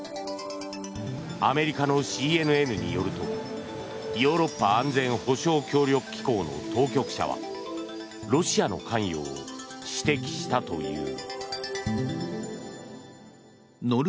アメリカのＣＮＮによるとヨーロッパ安全保障協力機構の当局者はロシアの関与を指摘したという。